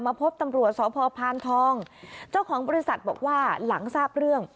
พบตำรวจสพพานทองเจ้าของบริษัทบอกว่าหลังทราบเรื่อง